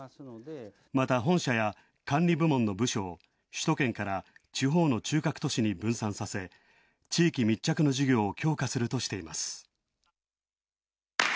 また本社や管理部門の部署を地方の中核都市に分散させ、地域密着型の事業を強化するとしています。